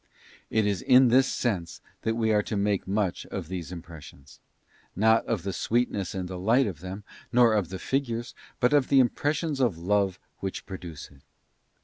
It is in this sense that we are to make much of these impressions; not of the sweetness and delight of them, nor of the figures, but of the impressions of love '4 which produce it.